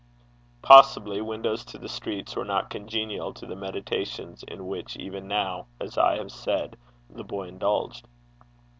Possibly, windows to the streets were not congenial to the meditations in which, even now, as I have said, the boy indulged.